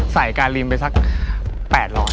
ใส่กาลิมไปสัก๘๐๐บาท